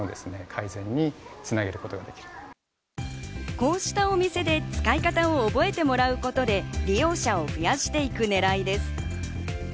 こうしたお店で使い方を覚えてもらうことで利用者を増やしていく狙いです。